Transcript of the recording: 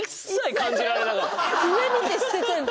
上見て捨ててんの。